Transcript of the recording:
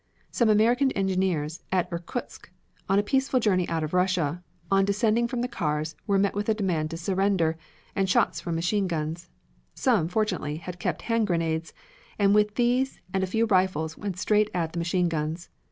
Some American engineers at Irkutsk, on a peaceful journey out of Russia, on descending from the cars were met with a demand to surrender, and shots from machine guns. Some, fortunately, had kept hand grenades, and with these and a few rifles went straight at the machine guns.